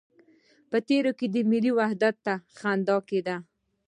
په تېر کې ملي وحدت ته خنده کېده.